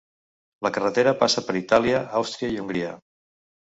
La carretera passa per Itàlia, Àustria i Hongria.